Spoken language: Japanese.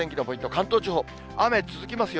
関東地方、雨、続きますよ。